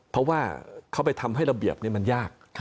เพราะว่าเขาไปทำให้ระเบียบนี้มันยาก